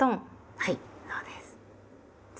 はい。